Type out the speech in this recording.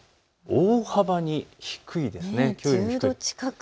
大幅に低いです。